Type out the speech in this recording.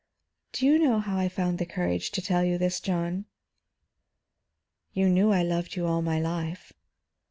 "Do you know how I found courage to tell you this, John?" "You knew I loved you all my life."